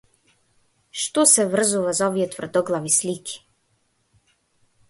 Што се врзува за овие тврдоглави слики?